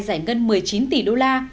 giải ngân một mươi chín tỷ đô la